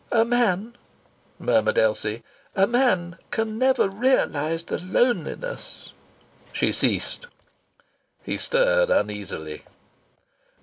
"A man," murmured Elsie, "a man can never realize the loneliness " She ceased. He stirred uneasily.